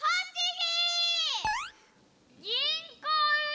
ぎんこう！